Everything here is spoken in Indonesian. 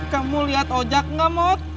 kamu liat ojak gak mot